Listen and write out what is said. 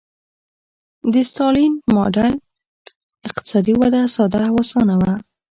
د ستالین ماډل اقتصادي وده ساده او اسانه وه